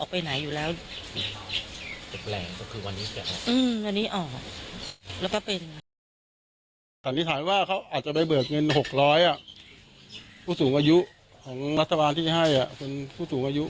ผู้สูงอายุของรัฐบาลที่จะให้เป็นผู้สูงอายุ